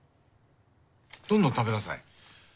どんどん食べなさい。